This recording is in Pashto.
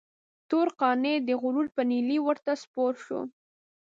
تور قانع د غرور پر نيلي ورته سپور شو.